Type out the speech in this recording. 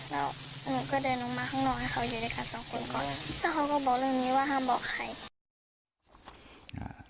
แล้วหนูก็เดินลงมาข้างนอกให้เขาอยู่ด้วยกันสองคนก่อนแล้วเขาก็บอกเรื่องนี้ว่าห้ามบอกใคร